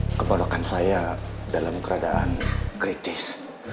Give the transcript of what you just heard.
ini kebawakan saya dalam keadaan kritis